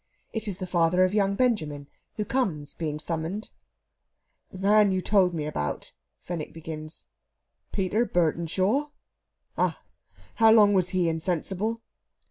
It is the father of young Benjamin, who comes being summoned. "That man you told me about...." Fenwick begins. "Peter Burtenshaw?" "Ah! How long was he insensible?"